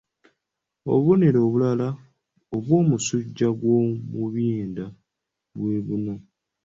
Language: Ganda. Obubonero obulala obw'omusujja gw'omu byenda bwe buno